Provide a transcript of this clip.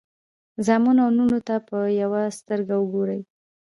زامنو او لوڼو ته په یوه سترګه وګورئ.